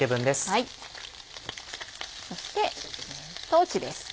そして豆です。